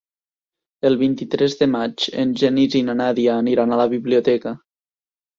El vint-i-tres de maig en Genís i na Nàdia aniran a la biblioteca.